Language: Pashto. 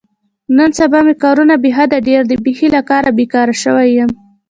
نن سبا مې کارونه بې حده ډېر دي، بیخي له کاره بېگاره شوی یم.